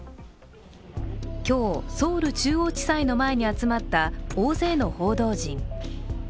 今日、ソウル中央地裁の前に集まった大勢の報道陣。